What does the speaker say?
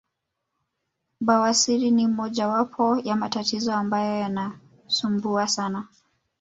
Bawasiri ni mojawapo ya matatizo ambayo yanasumbua sana